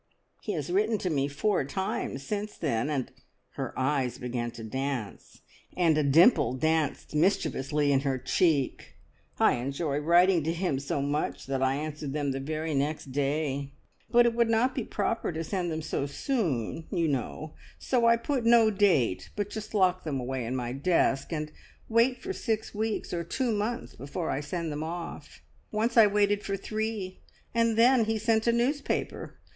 "He has written to me four times since then, and," her eyes began to dance, and a dimple danced mischievously in her cheek "I enjoy writing to him so much that I answer them the very next day; but it would not be proper to send them so soon, you know, so I put no date, but just lock them away in my desk, and wait for six weeks, or two months before I send them off. Once I waited for three, and then he sent a newspaper.